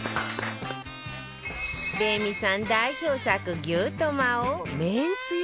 レミさん代表作牛トマをめんつゆで和風アレンジ